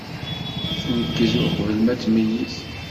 Tneggez uqbel ma tmeyyez.